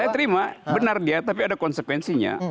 saya terima benar dia tapi ada konsekuensinya